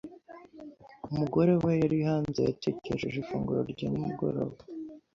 Umugore we ari hanze, yatekesheje ifunguro rya nimugoroba.